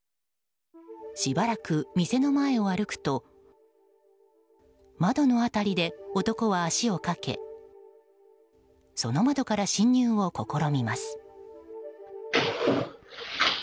しばらく店の前を歩くと窓の辺りで男は足をかけその窓から侵入を試みます。